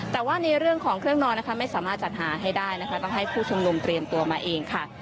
แต่ว่าในเรื่องของเครื่องนอนนะคะไม่สามารถจัดหาให้ได้นะคะต้องให้ผู้ชุมนุมเตรียมตัวมาเองค่ะ